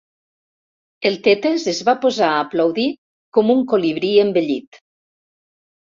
El Tetes es va posar a aplaudir com un colibrí envellit.